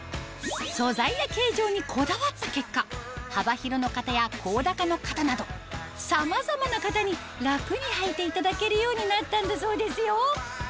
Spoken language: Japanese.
素材や形状にこだわった結果幅広の方や甲高の方などさまざまな方に楽に履いていただけるようになったんだそうですよ